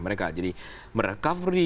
mereka jadi merecovery